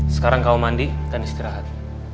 sekarang kau mandi dan istirahat